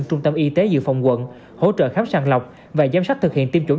trung tâm y tế dự phòng quận hỗ trợ khám sàng lọc và giám sát thực hiện tiêm chủng